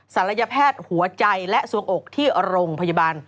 ศัลยแพทย์หัวใจและสวงอกที่โรงพยาบาล